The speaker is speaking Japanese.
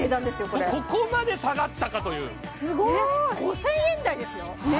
これここまで下がったかというえっ５０００円台ですよ？